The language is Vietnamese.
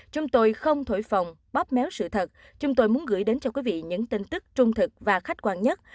chúng tôi không thổi phòng bóp méo sự thật chúng tôi muốn gửi đến cho quý vị những tin tức trung thực và khách quan nhất